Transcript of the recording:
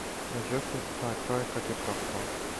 Међутим, тај пројекат је пропао.